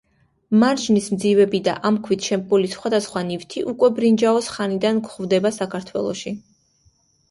მარჯნის მძივები და ამ ქვით შემკული სხვადასხვა ნივთი უკვე ბრინჯაოს ხანიდან გვხვდება საქართველოში.